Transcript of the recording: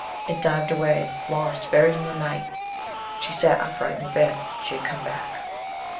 It dived away, lost, buried in the night. She sat upright in bed. She had come back.